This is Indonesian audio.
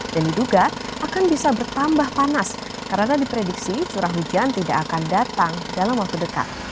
dan diduga akan bisa bertambah panas karena diprediksi curah hujan tidak akan datang dalam waktu dekat